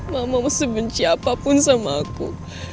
mama mesti benci apapun sama aku